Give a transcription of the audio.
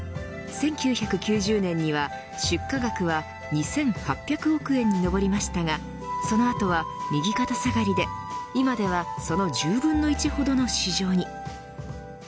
１９９０年には出荷額は２８００億円に上りましたがその後は右肩下がりで今ではその１０分の１ほどの市場に。